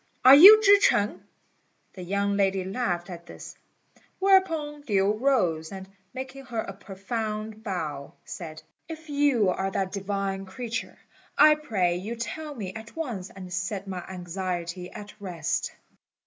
are you Chih ch'eng?" The young lady laughed at this; whereupon Lin rose, and, making her a profound bow, said, "If you are that divine creature, I pray you tell me at once, and set my anxiety at rest."